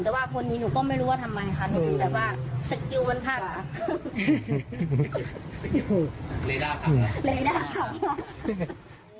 แต่ว่าคนนี้หนูก็ไม่รู้ว่าทำไมค่ะหนูถึงแบบว่าสกิลบนภาพค่ะ